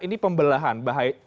ini pembelahan bahaya